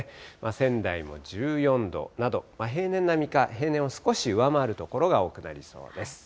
仙台も１４度など、平年並みが平年を少し上回る所が多くなりそうです。